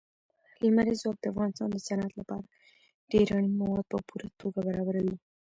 لمریز ځواک د افغانستان د صنعت لپاره ډېر اړین مواد په پوره توګه برابروي.